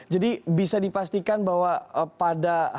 jadi bisa dipastikan bahwa pada hari